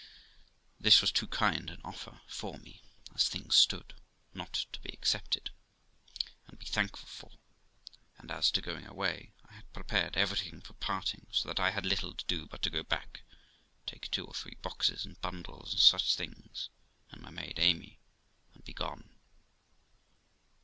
This was too kind an offer for me, as things stood, not to be accepted, and be thankful for; and, as to going away, I had prepared everything for parting, so that I had little to do but to go back, take two or three boxes and bundles, and such things, and my maid Amy, and be gone.